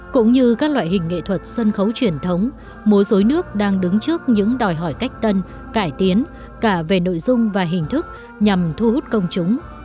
cũng như các loại hình nghệ thuật sân khấu truyền thống múa dối nước đang đứng trước những đòi hỏi cách tân cải tiến cả về nội dung và hình thức nhằm thu hút công chúng